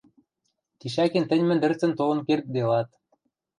— Тишӓкен тӹнь мӹндӹрцӹн толын кердделат.